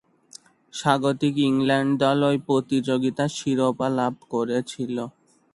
স্বাগতিক ইংল্যান্ড দল ঐ প্রতিযোগিতার শিরোপা লাভ করেছিল।